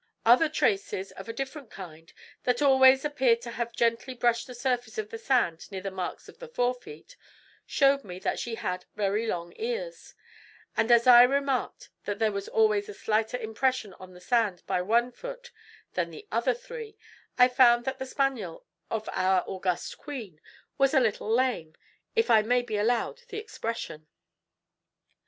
Other traces of a different kind, that always appeared to have gently brushed the surface of the sand near the marks of the forefeet, showed me that she had very long ears; and as I remarked that there was always a slighter impression made on the sand by one foot than the other three, I found that the spaniel of our august queen was a little lame, if I may be allowed the expression.